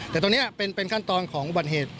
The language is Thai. แต่ตอนนี้เป็นขั้นตอนของบรรเหตุ